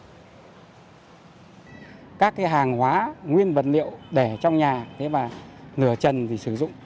nhiều nhà hàng hóa nguyên vật liệu để trong nhà và lửa chần thì sử dụng